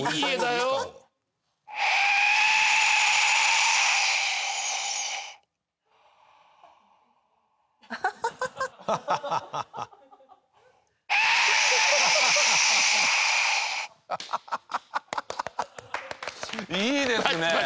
いいですね。